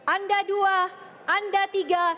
anda dua anda tiga